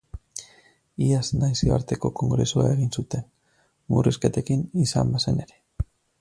Iaz nazioarteko kongresua egin zuten, murrizketekin izan bazen ere.